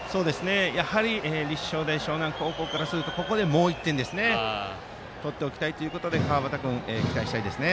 やはり立正大淞南高校はここで、もう１点とっておきたいということで期待したいですね。